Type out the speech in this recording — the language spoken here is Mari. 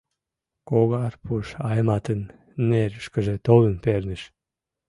Когар пуш Айматын нерышкыже толын перныш.